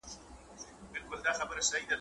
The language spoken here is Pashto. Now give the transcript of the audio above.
دزړه خواله